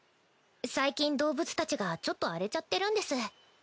最近動物たちがちょっと荒れちゃってるんです。